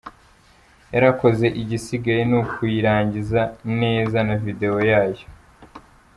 Yarakozwe igisigaye ni ukuyirangiza neza na video yayo.